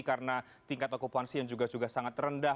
karena tingkat okupansi yang juga sangat rendah